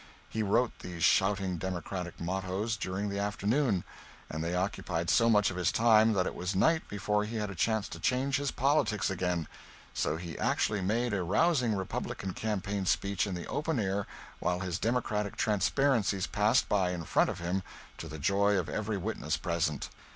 He wrote these shouting Democratic mottoes during the afternoon, and they occupied so much of his time that it was night before he had a chance to change his politics again; so he actually made a rousing Republican campaign speech in the open air while his Democratic transparencies passed by in front of him, to the joy of every witness present.